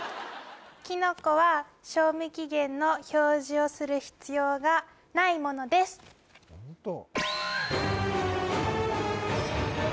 今きのこは賞味期限の表示をする必要がないものですホント？